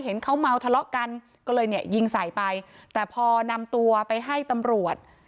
เห็นเขาเมาทะเลาะกันก็เลยเนี่ยยิงใส่ไปแต่พอนำตัวไปให้ตำรวจ